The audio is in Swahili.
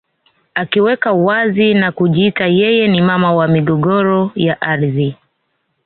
Akiweka wazi na kujiita yeye ni mama wa migogoro ya ardhi